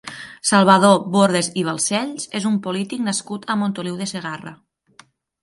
Salvador Bordes i Balcells és un polític nascut a Montoliu de Segarra.